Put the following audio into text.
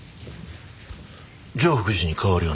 常福寺に変わりはないか？